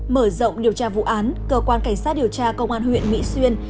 mở rộng điều tra vụ án cơ quan cảnh sát điều tra công an huyện mỹ xuyên